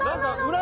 裏！